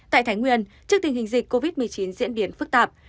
tại thái nguyên trước tình hình dịch covid một mươi chín diễn biến phức tạp